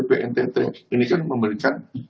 bntt ini kan memberikan